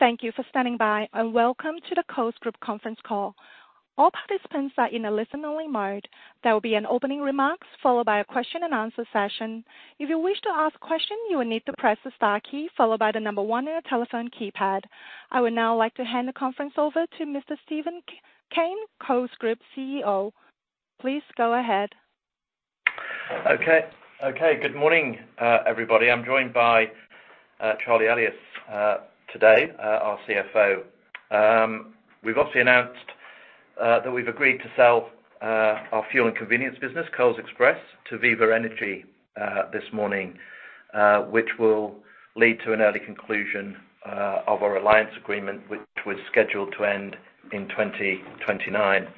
Thank you for standing by, and welcome to the Coles Group Conference Call. All participants are in a listen-only mode. There will be an opening remarks followed by a question-and-answer session. If you wish to ask a question, you will need to press the star key followed by the number one on your telephone keypad. I would now like to hand the conference over to Mr. Steven Cain, Coles Group CEO. Please go ahead. Okay. Okay. Good morning, everybody. I'm joined by Charlie Elias today, our CFO. We've obviously announced that we've agreed to sell our fuel and convenience business, Coles Express, to Viva Energy this morning, which will lead to an early conclusion of our alliance agreement, which was scheduled to end in 2029.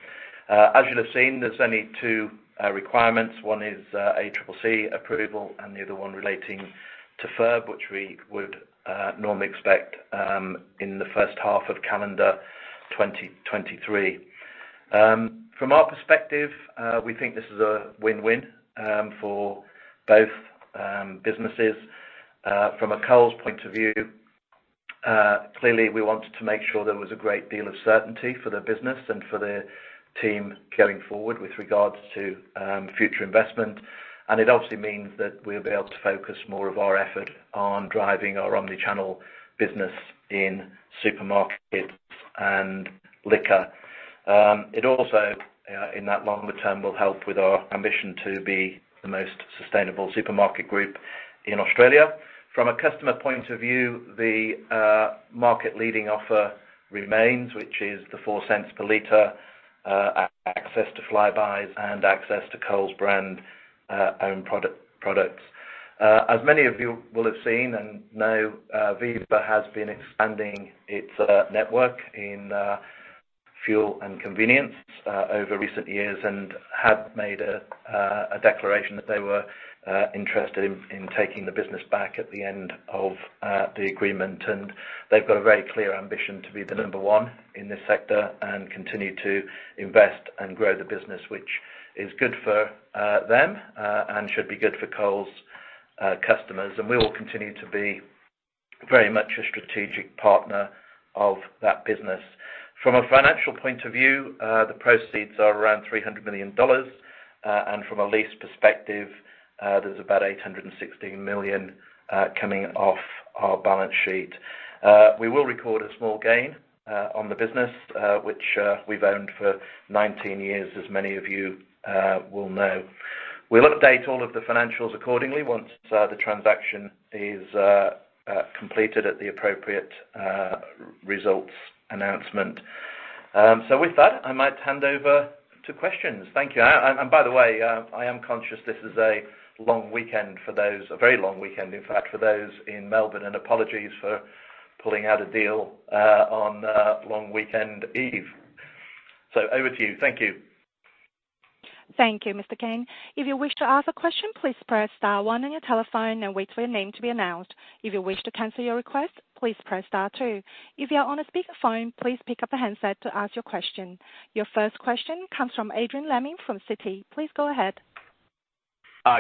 As you'll have seen, there's only two requirements. One is an ACCC approval, and the other one relating to FIRB, which we would normally expect in the first half of calendar 2023. From our perspective, we think this is a win-win for both businesses. From a Coles point of view, clearly, we wanted to make sure there was a great deal of certainty for the business and for the team going forward with regards to future investment. It obviously means that we'll be able to focus more of our effort on driving our omnichannel business in supermarkets and liquor. It also, in that longer term, will help with our ambition to be the most sustainable supermarket group in Australia. From a customer point of view, the market-leading offer remains, which is the 0.04/L, access to Flybuys, and access to Coles' own-brand products. As many of you will have seen and know, Viva has been expanding its network in fuel and convenience over recent years and had made a declaration that they were interested in taking the business back at the end of the agreement. They've got a very clear ambition to be the number one in this sector and continue to invest and grow the business, which is good for them and should be good for Coles' customers. We will continue to be very much a strategic partner of that business. From a financial point of view, the proceeds are around 300 million dollars. From a lease perspective, there's about 816 million coming off our balance sheet. We will record a small gain on the business, which we've owned for 19 years, as many of you will know. We'll update all of the financials accordingly once the transaction is completed at the appropriate results announcement. With that, I might hand over to questions. Thank you. By the way, I am conscious this is a long weekend for those, a very long weekend, in fact, for those in Melbourne, and apologies for pulling out a deal on long weekend eve. Over to you. Thank you. Thank you, Mr. Cain. If you wish to ask a question, please press star one on your telephone and wait for your name to be announced. If you wish to cancel your request, please press star two. If you're on a speakerphone, please pick up a handset to ask your question. Your first question comes from Adrian Lemme from Citi. Please go ahead.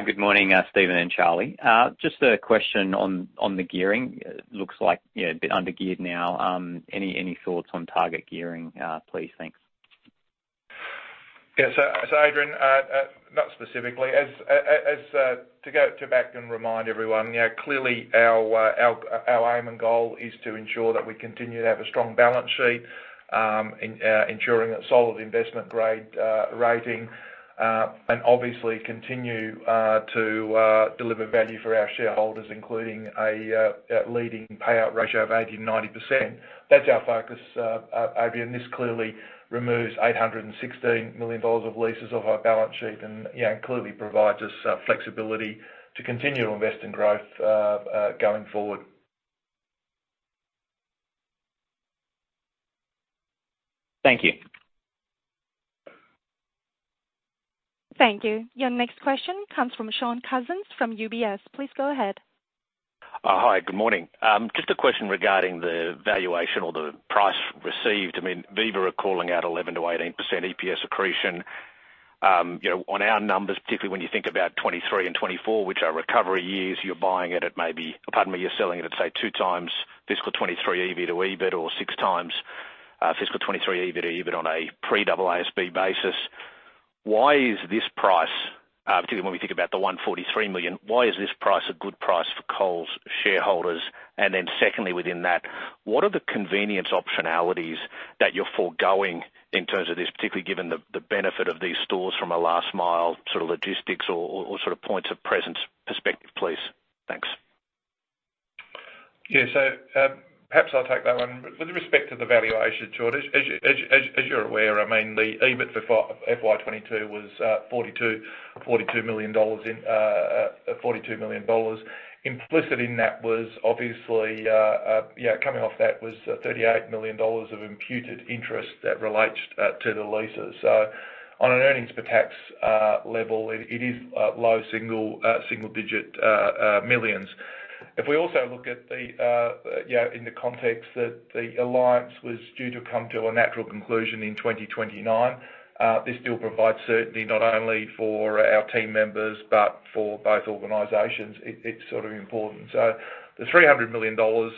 Good morning, Steven and Charlie. Just a question on the gearing. It looks like a bit under-geared now. Any thoughts on target gearing, please? Thanks. Yes. So Adrian, not specifically. To go back and remind everyone, clearly, our aim and goal is to ensure that we continue to have a strong balance sheet, ensuring a solid investment-grade rating, and obviously continue to deliver value for our shareholders, including a leading payout ratio of 80%-90%. That's our focus, Adrian. This clearly removes 816 million dollars of leases off our balance sheet and clearly provides us flexibility to continue to invest in growth going forward. Thank you. Thank you. Your next question comes from Shaun Cousins from UBS. Please go ahead. Hi. Good morning. Just a question regarding the valuation or the price received. I mean, Viva are calling out 11%-18% EPS accretion. On our numbers, particularly when you think about 2023 and 2024, which are recovery years, you're buying it at maybe, pardon me, you're selling it at, say, 2x fiscal 2023 EV/EBIT or 6x fiscal 2023 EV/EBIT on a pre-AASB basis. Why is this price, particularly when we think about the 143 million, why is this price a good price for Coles shareholders? And then secondly, within that, what are the convenience optionalities that you're foregoing in terms of this, particularly given the benefit of these stores from a last-mile sort of logistics or sort of points of presence perspective, please? Thanks. Yeah. So perhaps I'll take that one. With respect to the valuation, Shaun, as you're aware, I mean, the EBIT for FY 2022 was 42 million. 42 million dollars. Implicit in that was obviously coming off that was 38 million dollars of imputed interest that relates to the leases. So on an earnings pre-tax level, it is low single-digit millions. If we also look at the yeah in the context that the alliance was due to come to a natural conclusion in 2029, this still provides certainty not only for our team members but for both organizations. It's sort of important. So the 300 million dollars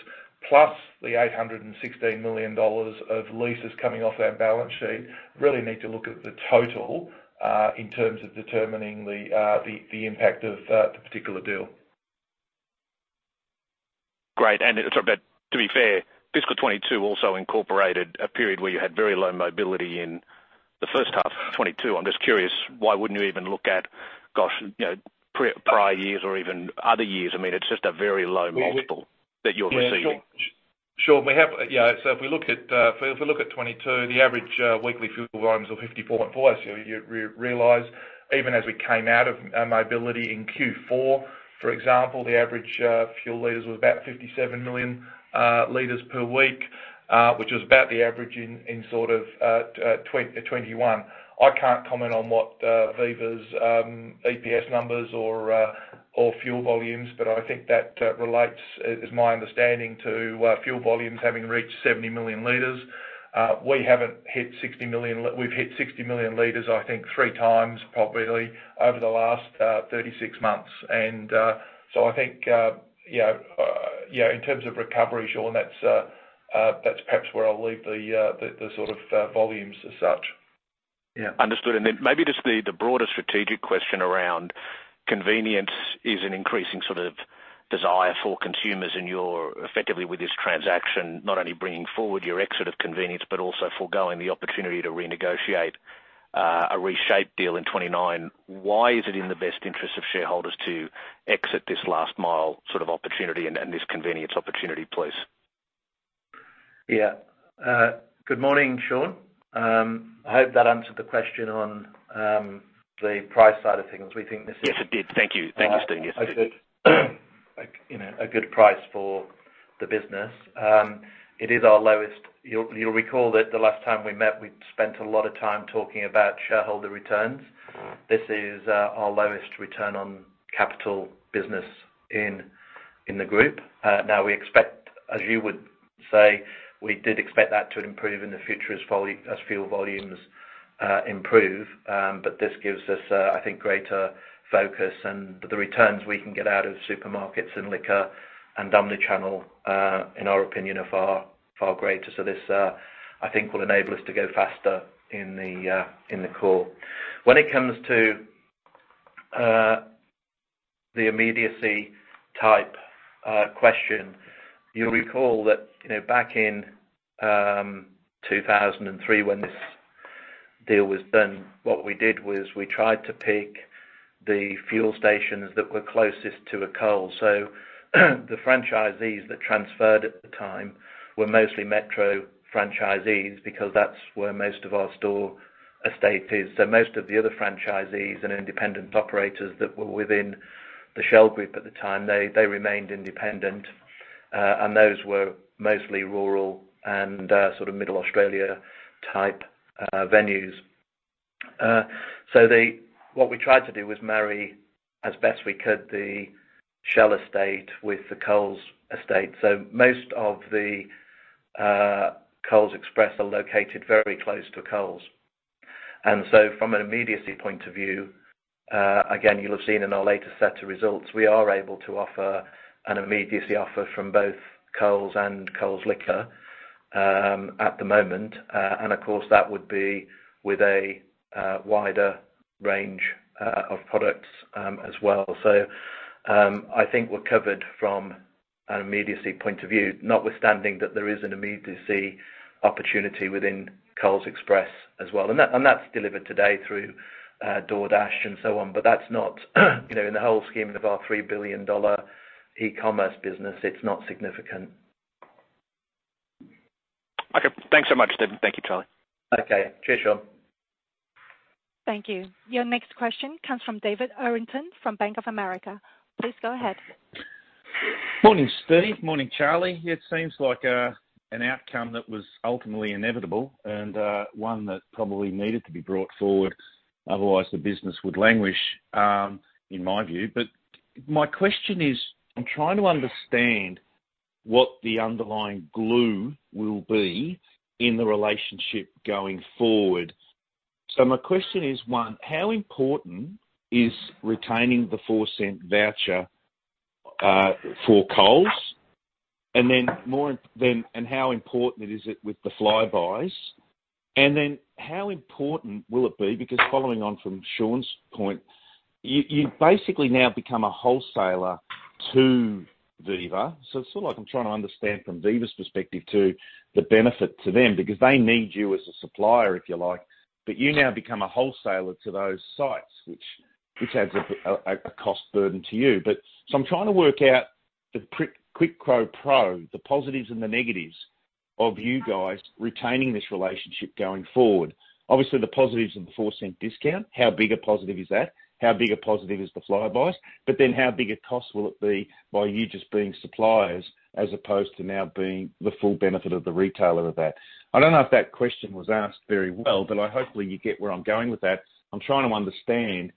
plus the 816 million dollars of leases coming off our balance sheet really need to look at the total in terms of determining the impact of the particular deal. Great. And to be fair, fiscal 2022 also incorporated a period where you had very low mobility in the first half of 2022. I'm just curious, why wouldn't you even look at, gosh, prior years or even other years? I mean, it's just a very low multiple that you're receiving. Shaun, we have, yeah. So if we look at 2022, the average weekly fuel volumes were 54.4. So you realise even as we came out of mobility in Q4, for example, the average fuel liters was about 57 million liters per week, which was about the average in sort of 2021. I can't comment on what Viva's EPS numbers or fuel volumes, but I think that relates, as my understanding, to fuel volumes having reached 70 million L. We haven't hit 60 million. We've hit 60 million L, I think, 3x probably over the last 36 months. And so I think in terms of recovery, Shaun, that's perhaps where I'll leave the sort of volumes as such. Yeah. Understood. And then maybe just the broader strategic question around convenience is an increasing sort of desire for consumers in your effectively with this transaction, not only bringing forward your exit of convenience but also foregoing the opportunity to renegotiate a reshaped deal in 2029. Why is it in the best interest of shareholders to exit this last-mile sort of opportunity and this convenience opportunity, please? Yeah. Good morning, Shaun. I hope that answered the question on the price side of things. We think this is. Yes, it did. Thank you. Thank you, Steven. Yes. A good price for the business. It is our lowest, you'll recall that the last time we met, we spent a lot of time talking about shareholder returns. This is our lowest return on capital business in the group. Now, we expect, as you would say, we did expect that to improve in the future as fuel volumes improve. But this gives us, I think, greater focus, and the returns we can get out of supermarkets and liquor and omnichannel, in our opinion, are far greater. So this, I think, will enable us to go faster in the call. When it comes to the immediacy type question, you'll recall that back in 2003, when this deal was done, what we did was we tried to pick the fuel stations that were closest to a Coles. So the franchisees that transferred at the time were mostly Metro franchisees because that's where most of our store estate is. So most of the other franchisees and independent operators that were within the Shell Group at the time, they remained independent. And those were mostly rural and sort of Middle Australia type venues. So what we tried to do was marry as best we could the Shell estate with the Coles estate. So most of the Coles Express are located very close to Coles. And so from an immediacy point of view, again, you'll have seen in our latest set of results, we are able to offer an immediacy offer from both Coles and Coles Liquor at the moment. And of course, that would be with a wider range of products as well. I think we're covered from an immediacy point of view, notwithstanding that there is an immediacy opportunity within Coles Express as well. And that's delivered today through DoorDash and so on. But that's not, in the whole scheme of our 3 billion dollar e-commerce business, it's not significant. Okay. Thanks so much, Steven. Thank you, Charlie. Okay. Cheers, Shaun. Thank you. Your next question comes from David Errington from Bank of America. Please go ahead. Morning, Steven. Morning, Charlie. It seems like an outcome that was ultimately inevitable and one that probably needed to be brought forward. Otherwise, the business would languish, in my view. But my question is, I'm trying to understand what the underlying glue will be in the relationship going forward. So my question is, one, how important is retaining the AUD 0.04 voucher for Coles? And then how important is it with the Flybuys? And then how important will it be? Because following on from Shaun's point, you basically now become a wholesaler to Viva. So it's sort of like I'm trying to understand from Viva's perspective too the benefit to them because they need you as a supplier, if you like. But you now become a wholesaler to those sites, which adds a cost burden to you. So I'm trying to work out the quid pro quo, the positives and the negatives of you guys retaining this relationship going forward. Obviously, the positives are the 0.04 discount. How big a positive is that? How big a positive is the Flybuys? But then how big a cost will it be by you just being suppliers as opposed to now being the full benefit of the retailer of that? I don't know if that question was asked very well, but hopefully, you get where I'm going with that. I'm trying to understand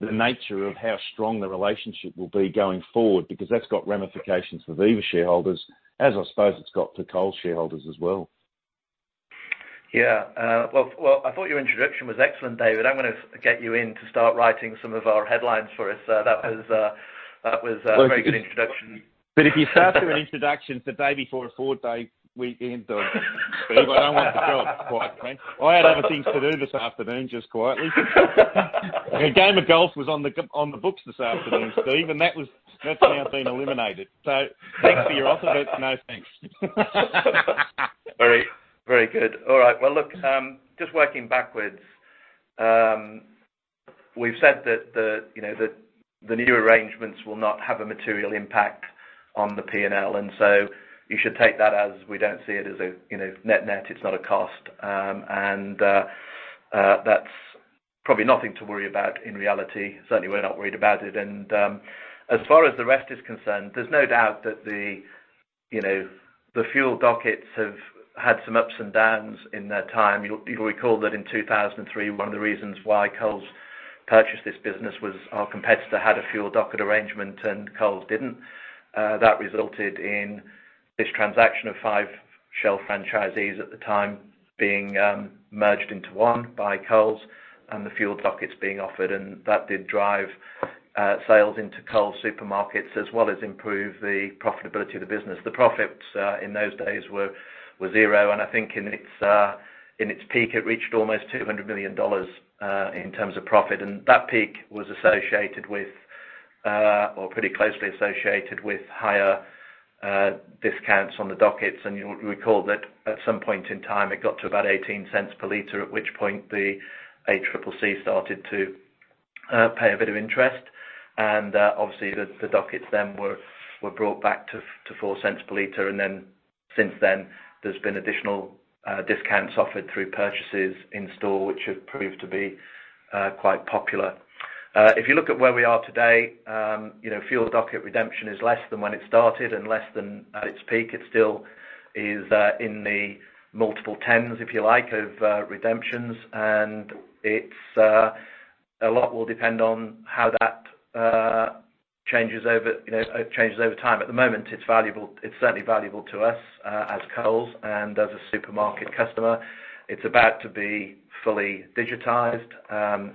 the nature of how strong the relationship will be going forward because that's got ramifications for Viva shareholders, as I suppose it's got for Coles shareholders as well. Yeah. Well, I thought your introduction was excellent, David. I'm going to get you in to start writing some of our headlines for us. That was a very good introduction. But if you start doing introductions the day before a four-day weekend. I don't want to drop. I had other things to do this afternoon just quietly. A game of golf was on the books this afternoon, Steve, and that's now been eliminated. So thanks for your offer. But no, thanks. Very, very good. All right. Well, look, just working backwards, we've said that the new arrangements will not have a material impact on the P&L. And so you should take that as we don't see it as a net-net. It's not a cost. And that's probably nothing to worry about in reality. Certainly, we're not worried about it. And as far as the rest is concerned, there's no doubt that the fuel dockets have had some ups and downs in their time. You'll recall that in 2003, one of the reasons why Coles purchased this business was our competitor had a fuel docket arrangement and Coles didn't. That resulted in this transaction of five Shell franchisees at the time being merged into one by Coles and the fuel dockets being offered. And that did drive sales into Coles supermarkets as well as improve the profitability of the business. The profits in those days were zero. And I think in its peak, it reached almost 200 million dollars in terms of profit. And that peak was associated with, or pretty closely associated with, higher discounts on the dockets. And you'll recall that at some point in time, it got to about 0.18/L, at which point the ACCC started to pay a bit of interest. And obviously, the dockets then were brought back to 0.04/L. And then since then, there's been additional discounts offered through purchases in store, which have proved to be quite popular. If you look at where we are today, fuel docket redemption is less than when it started and less than at its peak. It still is in the multiple 10s, if you like, of redemptions. And a lot will depend on how that changes over time. At the moment, it's certainly valuable to us as Coles and as a supermarket customer. It's about to be fully digitized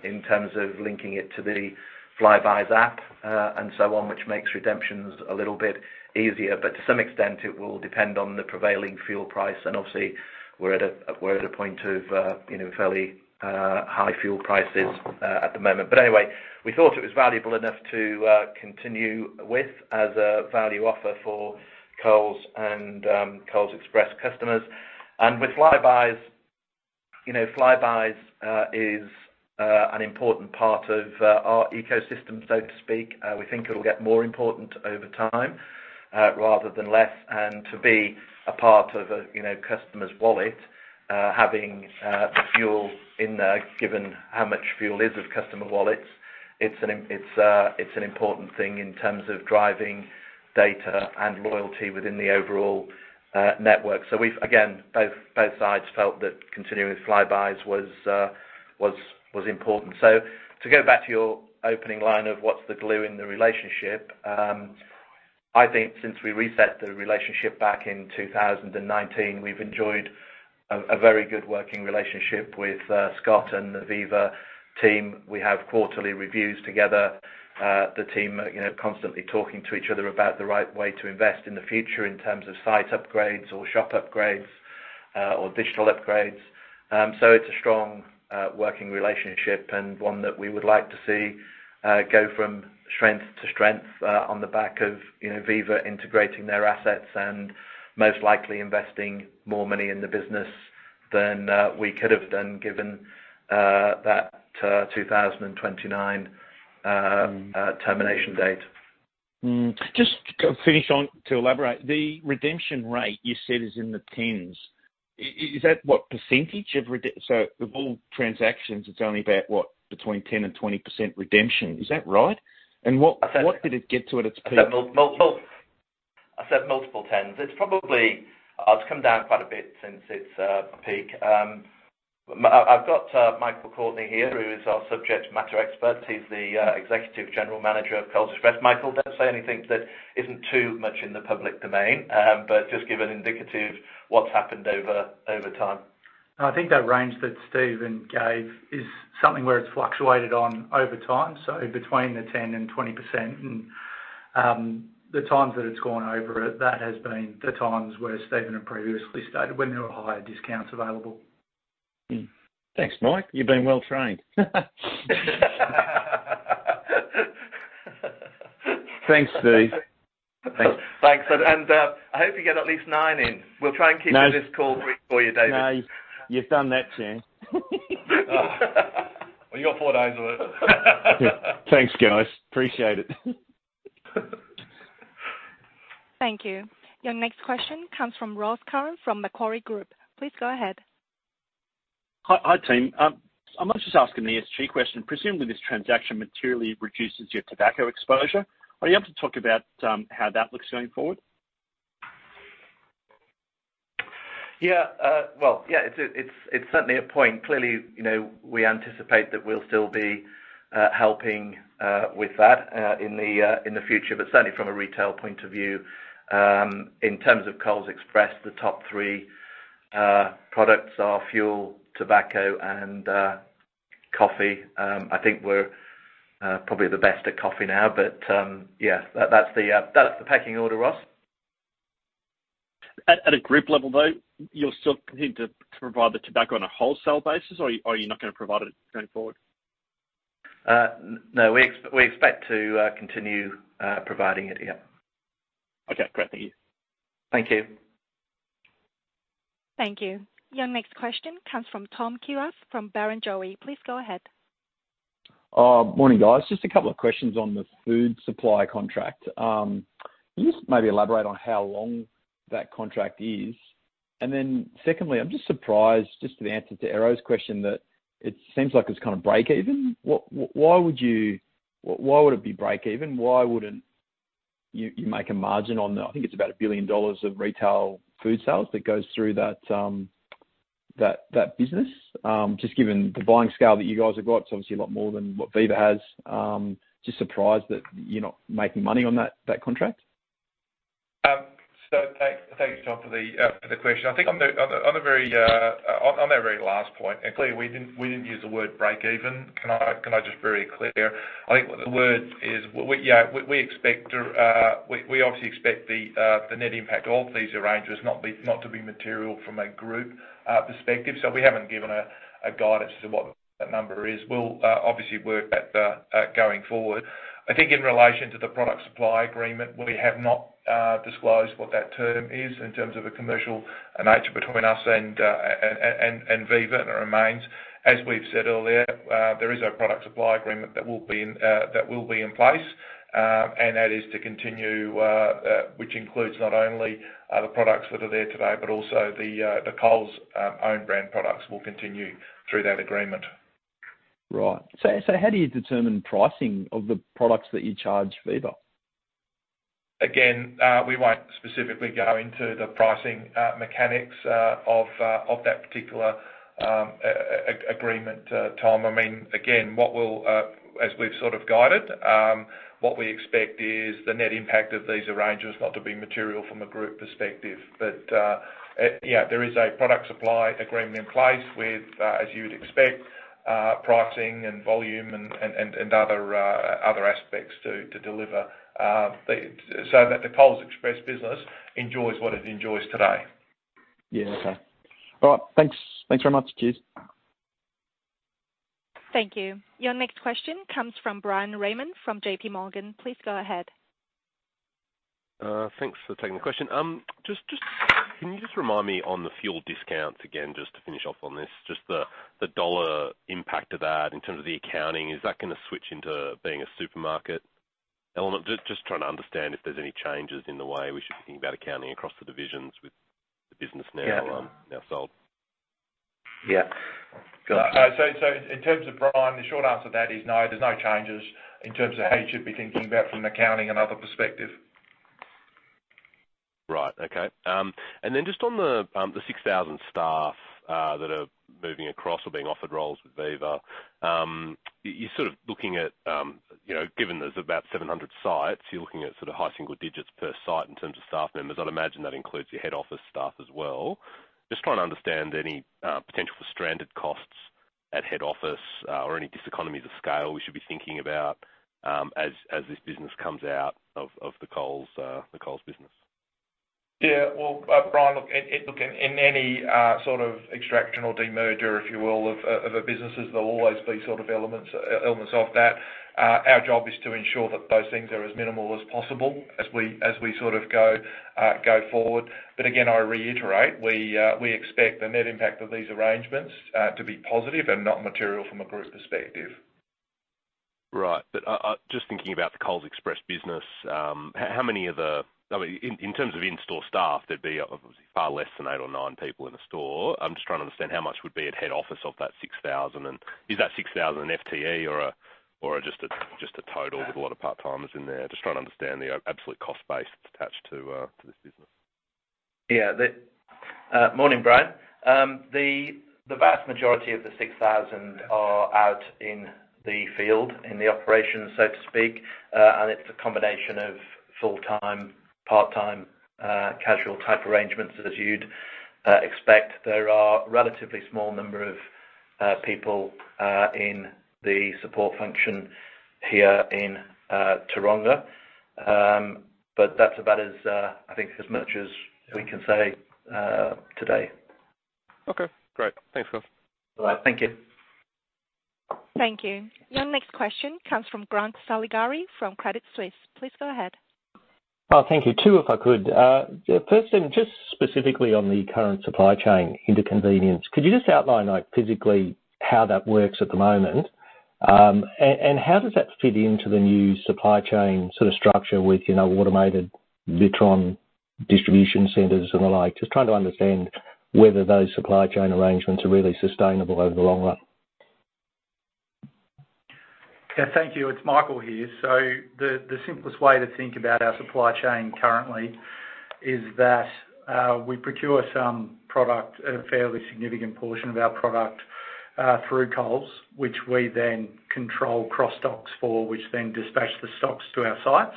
in terms of linking it to the Flybuys app and so on, which makes redemptions a little bit easier, but to some extent, it will depend on the prevailing fuel price, and obviously, we're at a point of fairly high fuel prices at the moment, but anyway, we thought it was valuable enough to continue with as a value offer for Coles and Coles Express customers, and with Flybuys, Flybuys is an important part of our ecosystem, so to speak. We think it'll get more important over time rather than less, and to be a part of a customer's wallet, having the fuel in there, given how much fuel is of customer wallets, it's an important thing in terms of driving data and loyalty within the overall network. So we've, again, both sides felt that continuing with Flybuys was important. So to go back to your opening line of what's the glue in the relationship, I think since we reset the relationship back in 2019, we've enjoyed a very good working relationship with Scott and the Viva team. We have quarterly reviews together. The team are constantly talking to each other about the right way to invest in the future in terms of site upgrades or shop upgrades or digital upgrades. So it's a strong working relationship and one that we would like to see go from strength to strength on the back of Viva integrating their assets and most likely investing more money in the business than we could have done given that 2029 termination date. Just to finish on, to elaborate, the redemption rate you said is in the tens. Is that what percentage of so of all transactions? It's only about, what, between 10% and 20% redemption. Is that right? And what did it get to at its peak? I said multiple 10s. It's come down quite a bit since its peak. I've got Michael Courtney here, who is our subject matter expert. He's the Executive General Manager of Coles Express. Michael, don't say anything that isn't too much in the public domain, but just give an indicative what's happened over time. I think that range that Steven gave is something where it's fluctuated on over time, so between the 10% and 20%, and the times that it's gone over, that has been the times where Steven had previously stated when there were higher discounts available. Thanks, Mike. You've been well trained. Thanks, Steve. Thanks, and I hope you get at least nine in. We'll try and keep this call brief for you, David. You've done that, Cain. Well, you've got four days of it. Thanks, guys. Appreciate it. Thank you. Your next question comes from Ross Curran from Macquarie Group. Please go ahead. Hi, team. I'm just asking the SG question. Presumably, this transaction materially reduces your tobacco exposure. Are you able to talk about how that looks going forward? Yeah. Well, yeah, it's certainly a point. Clearly, we anticipate that we'll still be helping with that in the future, but certainly from a retail point of view. In terms of Coles Express, the top three products are fuel, tobacco, and coffee. I think we're probably the best at coffee now. But yeah, that's the pecking order, Ross. At a group level, though, you're still continuing to provide the tobacco on a wholesale basis, or are you not going to provide it going forward? No, we expect to continue providing it, yeah. Okay. Great. Thank you. Thank you. Thank you. Your next question comes from Tom Kierath from Barrenjoey. Please go ahead. Morning, guys. Just a couple of questions on the food supply contract. Can you just maybe elaborate on how long that contract is? And then secondly, I'm just surprised, just to the answer to Errington's question, that it seems like it's kind of break-even. Why would it be break-even? Why wouldn't you make a margin on the—I think it's about 1 billion dollars of retail food sales that goes through that business? Just given the buying scale that you guys have got, it's obviously a lot more than what Viva has. Just surprised that you're not making money on that contract. So thanks, John, for the question. I think on the very last point, and clearly, we didn't use the word break-even. Can I just be very clear? I think the word is, yeah, we obviously expect the net impact of these arrangements not to be material from a group perspective. So we haven't given a guidance as to what that number is. We'll obviously work at that going forward. I think in relation to the product supply agreement, we have not disclosed what that term is in terms of a commercial nature between us and Viva and the remains. As we've said earlier, there is a product supply agreement that will be in place, and that is to continue, which includes not only the products that are there today, but also the Coles own-brand products will continue through that agreement. Right. So how do you determine pricing of the products that you charge Viva? Again, we won't specifically go into the pricing mechanics of that particular agreement. I mean, again, as we've sort of guided, what we expect is the net impact of these arrangements not to be material from a group perspective. But yeah, there is a product supply agreement in place with, as you would expect, pricing and volume and other aspects to deliver so that the Coles Express business enjoys what it enjoys today. Yeah. Okay. All right. Thanks. Thanks very much. Cheers. Thank you. Your next question comes from Bryan Raymond from JPMorgan. Please go ahead. Thanks for taking the question. Can you just remind me on the fuel discounts again, just to finish off on this? Just the dollar impact of that in terms of the accounting. Is that going to switch into being a supermarket element? Just trying to understand if there's any changes in the way we should be thinking about accounting across the divisions with the business now sold. Yeah. So in terms of Bryan, the short answer to that is no. There's no changes in terms of how you should be thinking about it from an accounting and other perspective. Right. Okay. And then just on the 6,000 staff that are moving across or being offered roles with Viva, you're sort of looking at, given there's about 700 sites, you're looking at sort of high single digits per site in terms of staff members. I'd imagine that includes your head office staff as well. Just trying to understand any potential for stranded costs at head office or any diseconomies of scale we should be thinking about as this business comes out of the Coles business? Yeah, well, Bryan, look, in any sort of extraction or demerger, if you will, of a business, there'll always be sort of elements of that. Our job is to ensure that those things are as minimal as possible as we sort of go forward. But again, I reiterate, we expect the net impact of these arrangements to be positive and not material from a group perspective. Right. But just thinking about the Coles Express business, how many of the, I mean, in terms of in-store staff, there'd be obviously far less than eight or nine people in a store. I'm just trying to understand how much would be at head office of that 6,000. And is that 6,000 an FTE or just a total with a lot of part-timers in there? Just trying to understand the absolute cost base attached to this business. Yeah. Morning, Bryan. The vast majority of the 6,000 are out in the field, in the operations, so to speak. And it's a combination of full-time, part-time, casual type arrangements, as you'd expect. There are a relatively small number of people in the support function here in Tooronga. But that's about, I think, as much as we can say today. Okay. Great. Thanks, guys. All right. Thank you. Thank you. Your next question comes from Grant Saligari from Credit Suisse. Please go ahead. Oh, thank you. Two if I could. First, just specifically on the current supply chain in the convenience, could you just outline physically how that works at the moment? And how does that fit into the new supply chain sort of structure with automated WITRON distribution centers and the like? Just trying to understand whether those supply chain arrangements are really sustainable over the long run. Yeah. Thank you. It's Michael here. So the simplest way to think about our supply chain currently is that we procure some product, a fairly significant portion of our product, through Coles, which we then control cross-docks for, which then dispatch the stocks to our sites.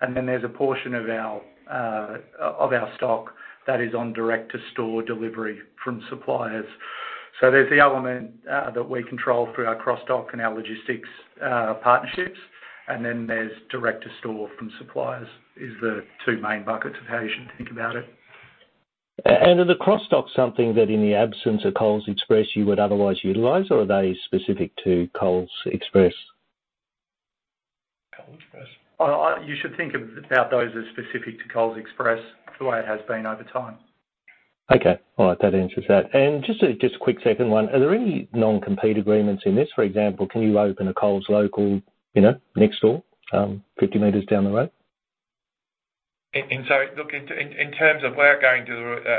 And then there's a portion of our stock that is on direct-to-store delivery from suppliers. So there's the element that we control through our cross-dock and our logistics partnerships. And then there's direct-to-store from suppliers, is the two main buckets of how you should think about it. Are the cross-docks something that in the absence of Coles Express you would otherwise utilize, or are they specific to Coles Express? You should think about those as specific to Coles Express the way it has been over time. Okay. All right. That answers that. And just a quick second one. Are there any non-compete agreements in this? For example, can you open a Coles Local next door, 50 m down the road? In terms of where we're going to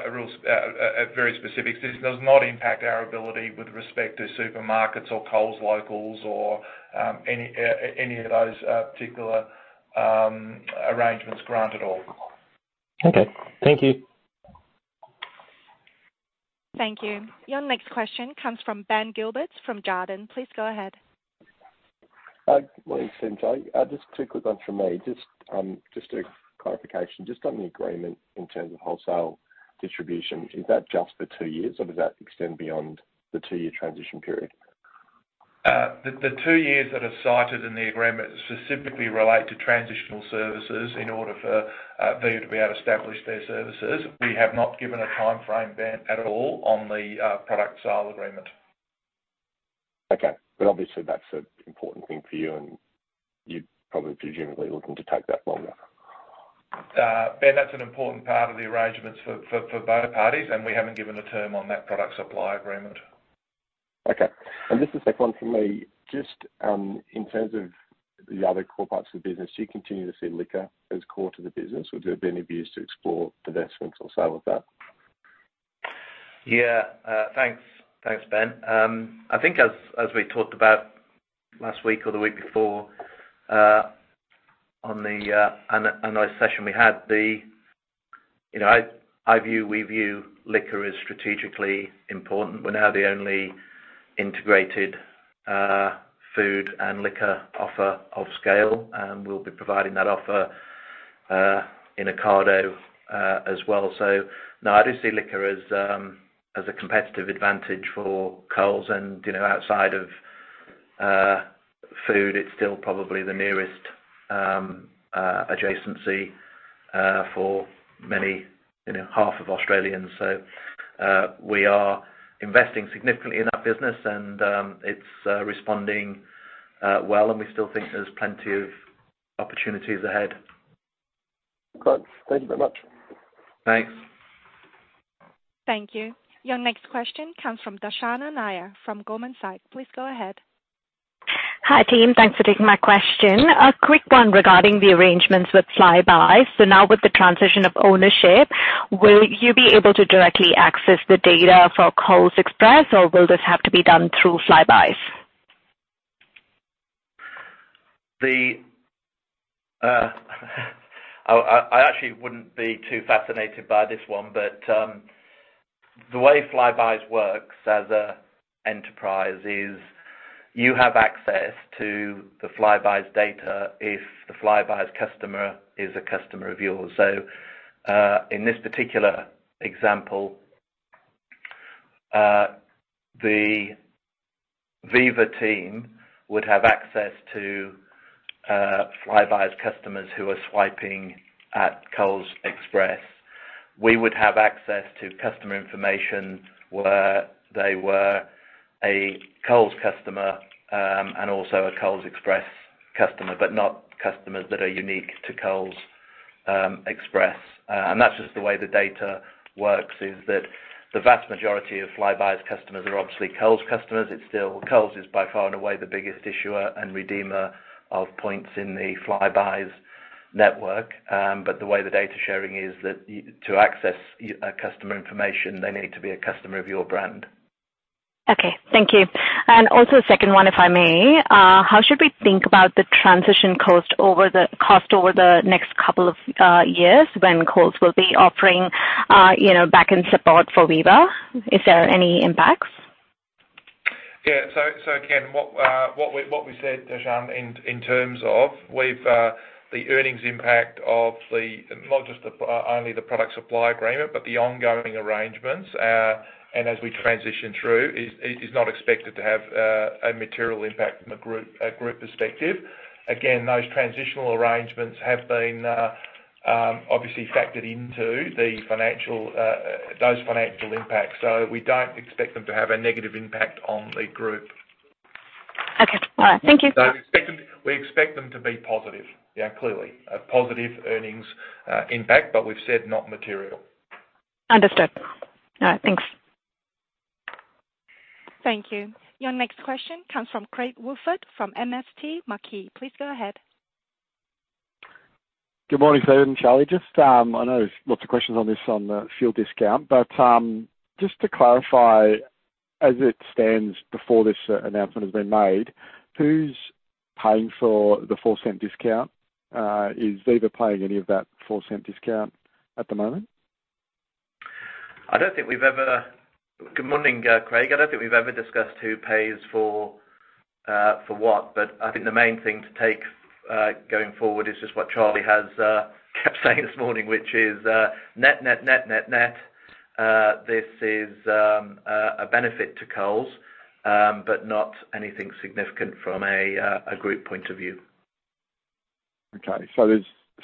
a very specific system, it does not impact our ability with respect to supermarkets or Coles locals or any of those particular arrangements granted or. Okay. Thank you. Thank you. Your next question comes from Ben Gilbert from Jarden. Please go ahead. Morning, Steven. Just a quick one from me. Just a clarification. Just on the agreement in terms of wholesale distribution, is that just for two years, or does that extend beyond the two-year transition period? The two years that are cited in the agreement specifically relate to transitional services in order for Viva to be able to establish their services. We have not given a timeframe, Ben, at all on the product sale agreement. Okay. But obviously, that's an important thing for you, and you're probably presumably looking to take that longer. Ben, that's an important part of the arrangements for both parties, and we haven't given a term on that product supply agreement. Okay. And just a second one from me. Just in terms of the other core parts of the business, do you continue to see liquor as core to the business, or has it been used to explore investments or sale of that? Yeah. Thanks, Ben. I think as we talked about last week or the week before on the session we had, I view liquor as strategically important. We're now the only integrated food and liquor offer of scale, and we'll be providing that offer in Ocado as well. So no, I do see liquor as a competitive advantage for Coles. And outside of food, it's still probably the nearest adjacency for many half of Australians. So we are investing significantly in that business, and it's responding well, and we still think there's plenty of opportunities ahead. Great. Thank you very much. Thanks. Thank you. Your next question comes from Darshana Nair from Goldman Sachs. Please go ahead. Hi, team. Thanks for taking my question. A quick one regarding the arrangements with Flybuys. So now with the transition of ownership, will you be able to directly access the data for Coles Express, or will this have to be done through Flybuys? I actually wouldn't be too fascinated by this one, but the way Flybuys works as an enterprise is you have access to the Flybuys data if the Flybuys customer is a customer of yours. So in this particular example, the Viva team would have access to Flybuys customers who are swiping at Coles Express. We would have access to customer information where they were a Coles customer and also a Coles Express customer, but not customers that are unique to Coles Express. And that's just the way the data works, is that the vast majority of Flybuys customers are obviously Coles customers. Coles is by far and away the biggest issuer and redeemer of points in the Flybuys network. But the way the data sharing is that to access customer information, they need to be a customer of your brand. Okay. Thank you. And also a second one, if I may. How should we think about the transition cost over the next couple of years when Coles will be offering back-end support for Viva? Is there any impacts? Yeah. So again, what we said, Darshana, in terms of the earnings impact of not just only the product supply agreement, but the ongoing arrangements and as we transition through is not expected to have a material impact from a group perspective. Again, those transitional arrangements have been obviously factored into those financial impacts. So we don't expect them to have a negative impact on the group. Okay. All right. Thank you. We expect them to be positive. Yeah, clearly. Positive earnings impact, but we've said not material. Understood. All right. Thanks. Thank you. Your next question comes from Craig Woolford from MST Marquee. Please go ahead. Good morning, Steven and Charlie. I know there's lots of questions on this fuel discount, but just to clarify, as it stands before this announcement has been made, who's paying for the 0.04 discount? Is Viva paying any of that 0.04 discount at the moment? I don't think we've ever. Good morning, Craig. I don't think we've ever discussed who pays for what. But I think the main thing to take going forward is just what Charlie has kept saying this morning, which is net, net, net, net, net. This is a benefit to Coles, but not anything significant from a group point of view. Okay. So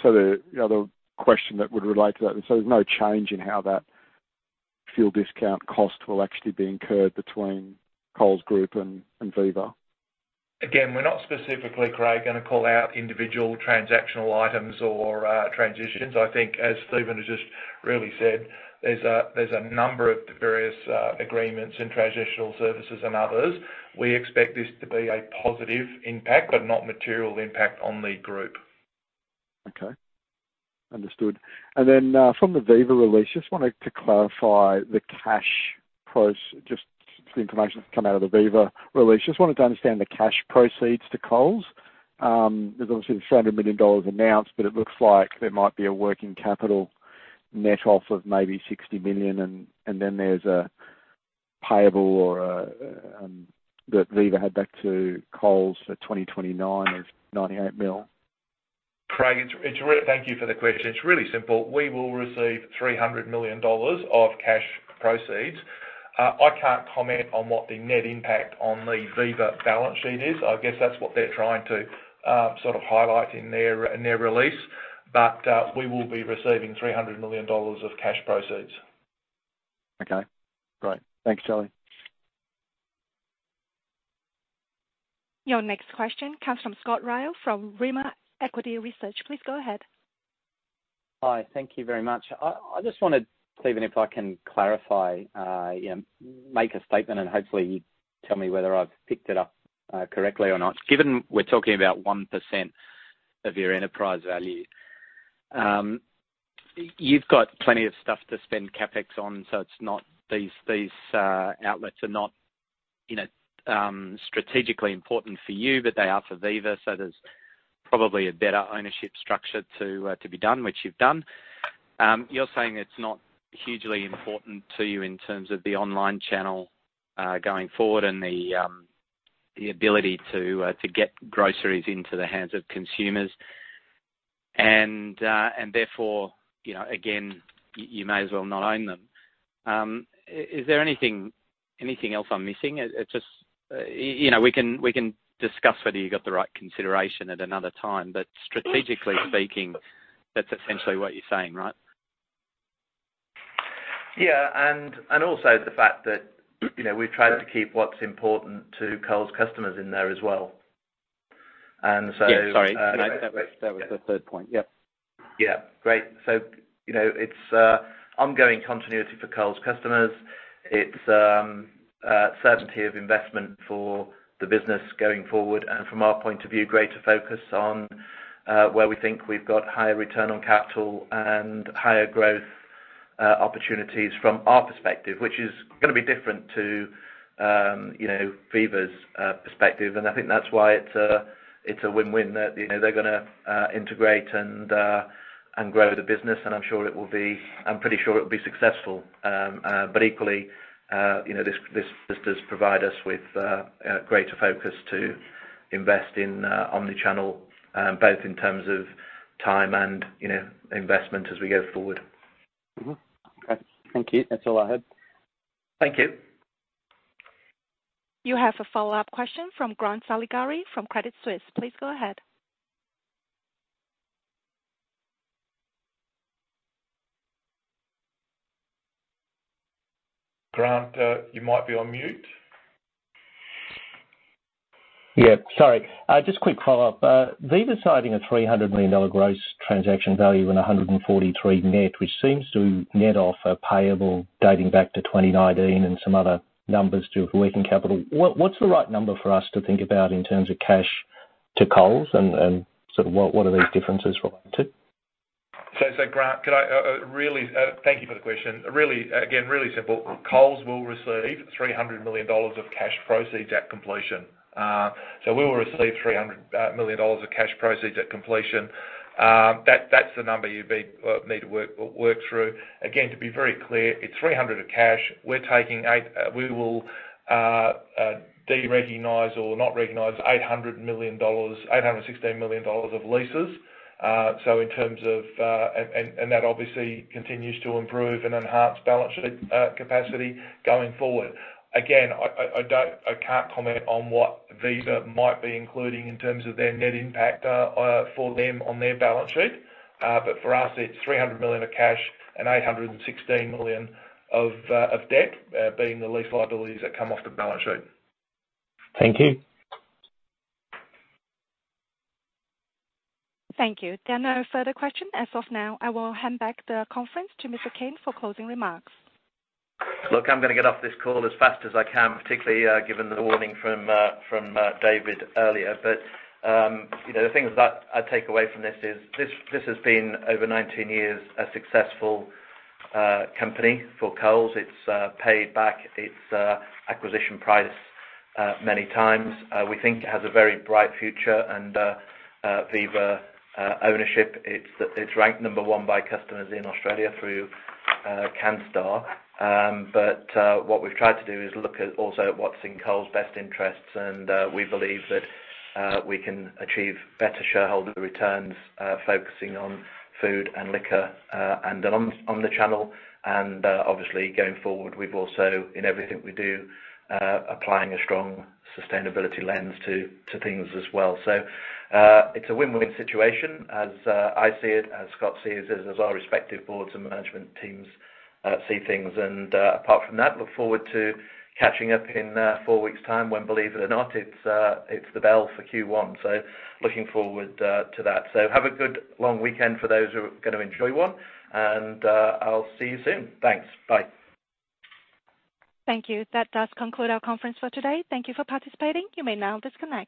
the other question that would relate to that is, so there's no change in how that fuel discount cost will actually be incurred between Coles Group and Viva? Again, we're not specifically, Craig, going to call out individual transactional items or transitions. I think, as Steven has just really said, there's a number of various agreements and transitional services and others. We expect this to be a positive impact, but not material impact on the group. Okay. Understood. And then from the Viva release, just wanted to clarify the cash proceeds, just the information that's come out of the Viva release. Just wanted to understand the cash proceeds to Coles. There's obviously the 300 million dollars announced, but it looks like there might be a working capital net off of maybe 60 million. And then there's a payable that Viva had back to Coles for 2029 of 98 million. Craig, thank you for the question. It's really simple. We will receive 300 million dollars of cash proceeds. I can't comment on what the net impact on the Viva balance sheet is. I guess that's what they're trying to sort of highlight in their release. But we will be receiving 300 million dollars of cash proceeds. Okay. Great. Thanks, Charlie. Your next question comes from Scott Ryall from Rimor Equity Research. Please go ahead. Hi. Thank you very much. I just wanted, Steven, if I can clarify, make a statement, and hopefully you tell me whether I've picked it up correctly or not. Given we're talking about 1% of your enterprise value, you've got plenty of stuff to spend CapEx on, so these outlets are not strategically important for you, but they are for Viva. So there's probably a better ownership structure to be done, which you've done. You're saying it's not hugely important to you in terms of the online channel going forward and the ability to get groceries into the hands of consumers. And therefore, again, you may as well not own them. Is there anything else I'm missing? We can discuss whether you got the right consideration at another time. But strategically speaking, that's essentially what you're saying, right? Yeah, and also the fact that we've tried to keep what's important to Coles customers in there as well. And so. Yeah. Sorry. That was the third point. Yeah. Yeah. Great. So it's ongoing continuity for Coles customers. It's certainty of investment for the business going forward. And from our point of view, greater focus on where we think we've got higher return on capital and higher growth opportunities from our perspective, which is going to be different to Viva's perspective. And I think that's why it's a win-win. They're going to integrate and grow the business. And I'm sure it will be. I'm pretty sure it will be successful. But equally, this does provide us with greater focus to invest in omnichannel, both in terms of time and investment as we go forward. Okay. Thank you. That's all I had. Thank you. You have a follow-up question from Grant Saligari from Credit Suisse. Please go ahead. Grant, you might be on mute. Yeah. Sorry. Just a quick follow-up. Viva's citing a 300 million gross transaction value and 143 net, which seems to net off a payable dating back to 2019 and some other numbers to working capital. What's the right number for us to think about in terms of cash to Coles? And sort of what are these differences related to? Grant, really, thank you for the question. Really, again, really simple. Coles will receive 300 million dollars of cash proceeds at completion. So we will receive 300 million dollars of cash proceeds at completion. That's the number you need to work through. Again, to be very clear, it's 300 million of cash. We will de-recognise or not recognise 816 million dollars of leases. So in terms of, and that obviously continues to improve and enhance balance sheet capacity going forward. Again, I can't comment on what Viva might be including in terms of their net impact for them on their balance sheet. But for us, it's 300 million of cash and 816 million of debt, being the lease liabilities that come off the balance sheet. Thank you. Thank you. There are no further questions as of now. I will hand back the conference to Mr. Cain for closing remarks. Look, I'm going to get off this call as fast as I can, particularly given the warning from David earlier. But the things that I take away from this is this has been, over 19 years, a successful company for Coles. It's paid back its acquisition price many times. We think it has a very bright future and Viva ownership. It's ranked number one by customers in Australia through Canstar. But what we've tried to do is look at also what's in Coles' best interests. And we believe that we can achieve better shareholder returns focusing on food and liquor and on the channel. And obviously, going forward, we've also, in everything we do, applied a strong sustainability lens to things as well. So it's a win-win situation as I see it, as Scott sees it, as our respective boards and management teams see things. And apart from that, look forward to catching up in four weeks' time when, believe it or not, it's the bell for Q1. So looking forward to that. So have a good long weekend for those who are going to enjoy one. And I'll see you soon. Thanks. Bye. Thank you. That does conclude our conference for today. Thank you for participating. You may now disconnect.